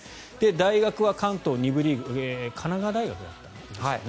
大学は関東２部リーグ神奈川大学だったかな。